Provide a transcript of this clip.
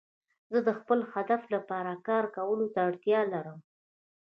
زه د خپل هدف لپاره کار کولو ته اړتیا لرم.